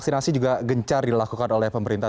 ini tidak gencar dilakukan oleh pemerintah